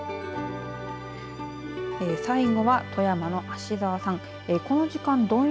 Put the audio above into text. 最後は富山の芦沢さん。